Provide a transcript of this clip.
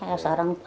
masih lama nih